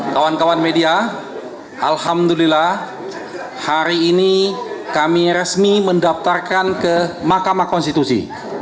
kawan kawan media alhamdulillah hari ini kami resmi mendaftarkan ke mahkamah konstitusi